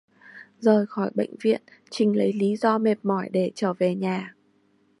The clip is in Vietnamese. Rời khỏi bệnh viện trinh lấy lý do mệt mỏi để trở về nhà